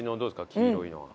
黄色いのは。